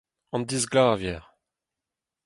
an disglavier